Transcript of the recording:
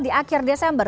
di akhir desember